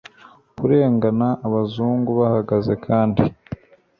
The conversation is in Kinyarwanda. kurengana abazungu bahagaze kandi